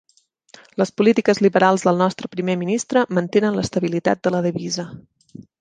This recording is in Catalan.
Les polítiques liberals del nostre primer ministre mantenen l'estabilitat de la divisa.